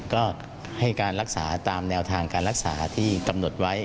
ก็ให้การรักษาตามแนวทางการรักษาที่กำหนดไว้